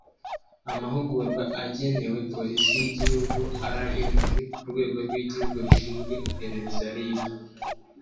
amahugurwa agenewe polisi y igihugu rnp urwego rw igihugu rushinzwe iperereza rib